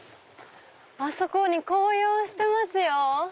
あそこ紅葉してますよ。